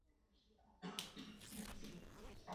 Redaktorem časopisu byl Vladimír Peroutka.